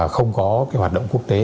không có cái hoạt động quốc tế